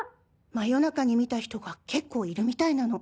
真夜中に見た人が結構いるみたいなの。